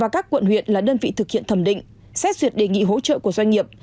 các quận huyện là đơn vị thực hiện thẩm định xét duyệt đề nghị hỗ trợ của doanh nghiệp